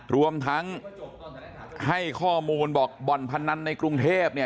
รวมทั้งให้ข้อมูลบ่อนพนคร่ำในกรุงเทพฯ